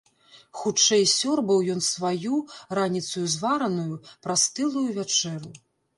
Хутчэй сёрбаў ён сваю, раніцаю звараную, прастылую вячэру.